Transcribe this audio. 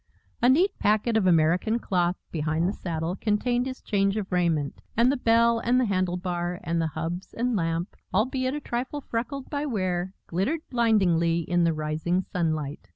A neat packet of American cloth behind the saddle contained his change of raiment, and the bell and the handle bar and the hubs and lamp, albeit a trifle freckled by wear, glittered blindingly in the rising sunlight.